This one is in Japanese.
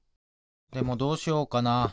でもどうしようかな。